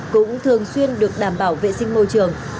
cũng thường xuyên được đảm bảo vệ sinh môi trường